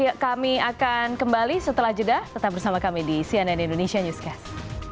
ya kami akan kembali setelah jeda tetap bersama kami di cnn indonesia newscast